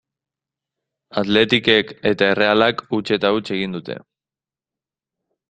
Athleticek eta Errealak huts eta huts egin dute.